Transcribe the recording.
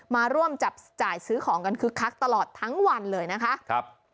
มาร่วมจับจ่ายซื้อของกันคึกคักตลอดทั้งวันเลยนะคะครับ